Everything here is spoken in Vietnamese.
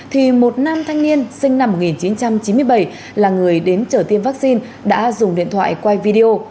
thì một nam thanh niên sinh năm một nghìn chín trăm chín mươi bảy là người đến trở tiêm vaccine đã dùng điện thoại quay video